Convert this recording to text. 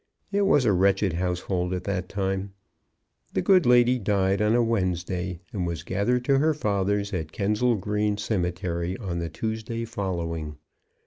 It was a wretched household at that time. The good lady died on a Wednesday, and was gathered to her fathers at Kensal Green Cemetery on the Tuesday following.